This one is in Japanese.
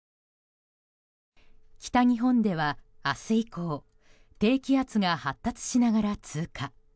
北日本では明日以降低気圧が発達しながら通過。